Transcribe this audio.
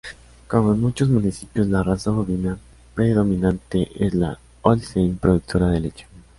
Como en muchos municipios, la raza bovina predominante es la Holstein; productora de leche.